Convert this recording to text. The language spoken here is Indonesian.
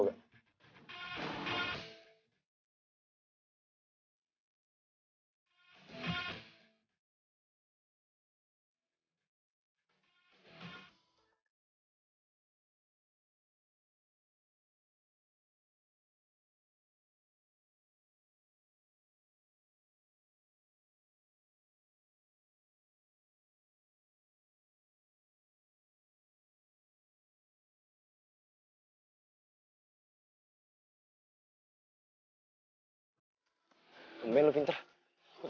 banda empat puluh imok banget